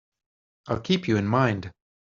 I'll keep you in mind.